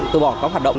từ bỏ các hoạt động